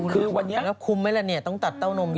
คือวันนี้รับคุมไหมแหละเนี่ยต้องตัดเต้านมกว่า